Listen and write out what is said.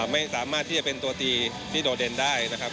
ไม่สามารถที่จะเป็นตัวตีที่โดดเด่นได้นะครับ